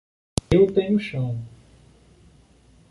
Eu tenho chão